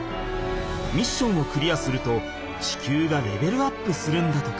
ミッションをクリアすると地球がレベルアップするんだとか。